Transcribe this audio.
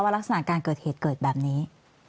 ลักษณะการเกิดเหตุเกิดแบบนี้